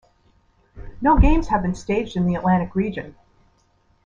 No games have been staged in the Atlantic region.